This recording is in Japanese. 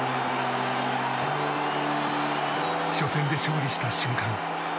初戦で勝利した瞬間